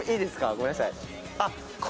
ごめんなさい。